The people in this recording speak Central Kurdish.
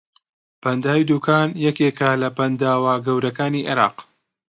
بەنداوی دووکان یەکێکە لە بەنداوە گەورەکانی عێراق